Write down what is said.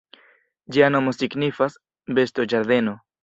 Ĝia nomo signifas "bestoĝardeno".